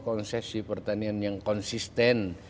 konsesi pertanian yang konsisten